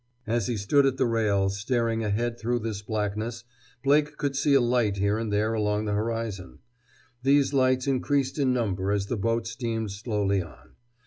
As he stood at the rail, staring ahead through this blackness, Blake could see a light here and there along the horizon. These lights increased in number as the boat steamed slowly on.